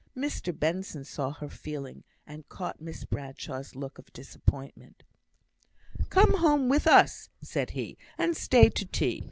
Mr Benson saw her feeling, and caught Miss Bradshaw's look of disappointment. "Come home with us," said he, "and stay to tea.